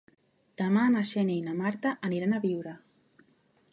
Demà na Xènia i na Marta aniran a Biure.